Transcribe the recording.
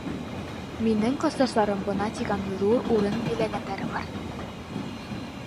Минең класташтарым бына тигән, ҙур урын биләгәндәре бар.